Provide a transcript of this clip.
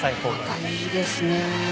またいいですね。